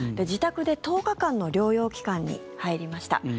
自宅で１０日間の療養期間に入りました。